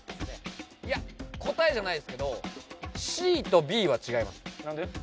いや答えじゃないですけどＣとＢは違います。